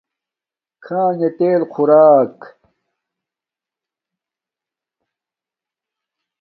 کھاکنݣ تیل خوراک